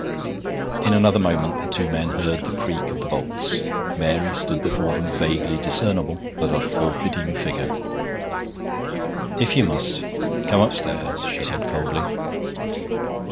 In another moment the two men heard the creak of the bolts. Mary stood before them, vaguely discernible, but a forbidding figure. 'If you must come upstairs,' she said coldly.